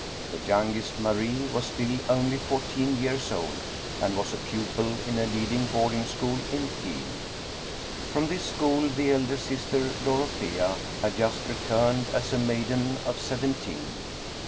The young est, Marie, was still only fourteen years old, and was a pupil in a leading boarding school in Kiel. From this school the elder sister, Dorothea, had just returned as a maiden of seventeen.